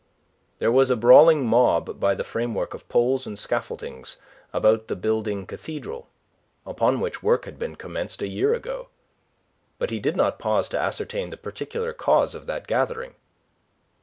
There was a brawling mob by the framework of poles and scaffoldings about the building cathedral, upon which work had been commenced a year ago. But he did not pause to ascertain the particular cause of that gathering.